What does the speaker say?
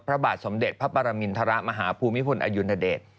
พระบาทสมเด็จพระปรมินทรมาหาภูมิพลอดุญเดช